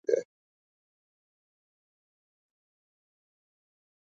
national Highway Authority N H A کی جانب سے سکھر ملتان موٹر وے پر فیصد تک کام کر لیا گیا ہے